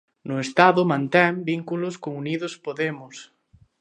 No Estado mantén vínculos con Unidos Podemos.